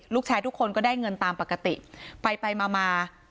ลูกชายทุกคนก็ได้เงินตามปกติไปไปมามา